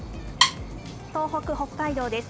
東北、北海道です。